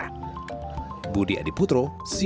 kementerian pertahanan indonesia